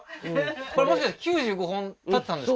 これもしかして９５本立てたんですか？